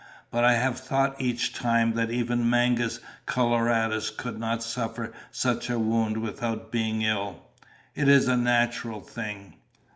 But I have thought each time that even Mangus Coloradus could not suffer such a wound without being ill. It is a natural thing."